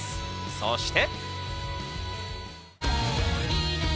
そして。